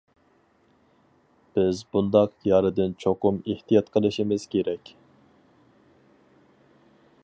بىز بۇنداق يارىدىن چوقۇم ئېھتىيات قىلىشىمىز كېرەك.